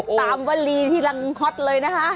โอ้โหตามวรีที่รังคตเลยนะคะ